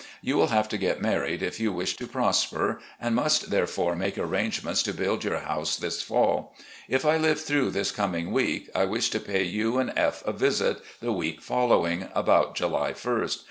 You will have to get married if you wish to prosper, and must therefore make arrangements to build your house this fall. If I live through this coming week, I wish to pay you and F a visit the week following, about July ist.